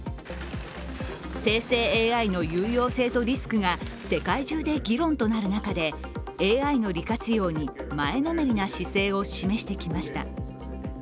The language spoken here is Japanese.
生成ＡＩの有用性とリスクが世界中で議論となる中でＡＩの利活用に前のめりな姿勢を示してきました。